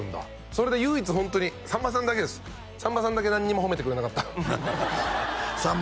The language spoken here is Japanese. それで唯一ホントにさんまさんだけですさんまさんだけ何にも褒めてくれなかったのさん